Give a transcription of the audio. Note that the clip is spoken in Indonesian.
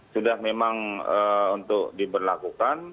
sudah memang untuk diberlakukan